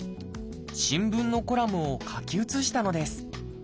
新聞のコラムを書き写したのです。